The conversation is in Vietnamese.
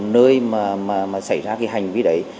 nơi mà xảy ra hành vi đấy